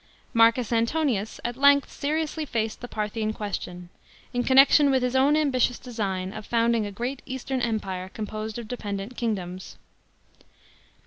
Marcus Antonius at length seriously faced the Parthian question, in con nection with his own ambitious design of founding a great Eastern empire, composed of dependent kingdoms.